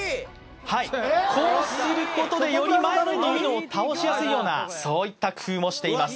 こうすることでより前のドミノを倒しやすいようなそういった工夫もしています